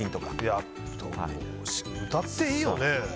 歌っていいよね？